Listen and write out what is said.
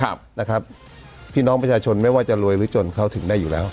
ครับนะครับพี่น้องประชาชนไม่ว่าจะรวยหรือจนเขาถึงได้อยู่แล้ว